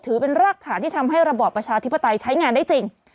ถือเป็นรากฐานที่ทำให้ระบอบประชาธิปไตยใช้งานได้จริง